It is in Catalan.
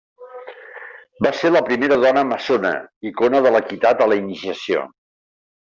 Va ser la primera Dona Maçona, icona de l'equitat a la iniciació.